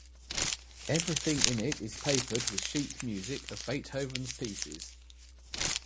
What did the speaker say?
Everything in it is papered with sheet music of Beethoven's pieces.